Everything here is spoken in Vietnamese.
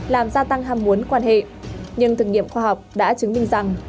làm gia tăng ham muốn quan hệ nhưng thực nghiệm khoa học đã chứng minh rằng